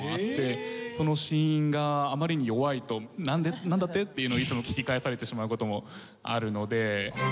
その子音があまりに弱いと「なんだって？」っていうのをいつも聞き返されてしまう事もあるので。